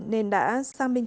nên đã sang minh